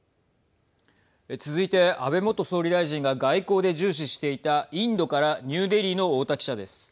続いて、安倍元総理大臣が外交で重視していたインドからニューデリーの太田記者です。